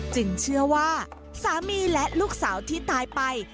เชื่อว่าสามีและลูกสาวที่ตายไป